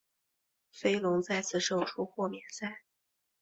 飞龙再次胜出豁免赛。